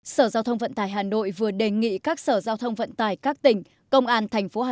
sở giao thông vận tải hà nội vừa đề nghị các sở giao thông vận tải các tỉnh công an thành phố hà